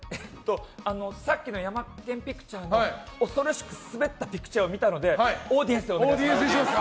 さっきのヤマケン・ピクチャーで恐ろしくスベったピクチャーを見たのでオーディエンスをお願いします。